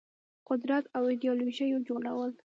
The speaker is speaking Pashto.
قدرت او ایدیالوژيو جوړول